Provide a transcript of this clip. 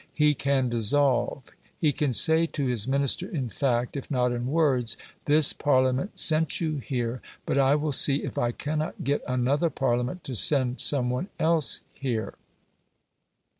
He can dissolve; he can say to his Minister, in fact, if not in words, "This Parliament sent you here, but I will see if I cannot get another Parliament to send some one else here."